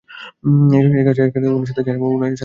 এই কাজটা ওনার সাথে যায় না, তাই না বলো?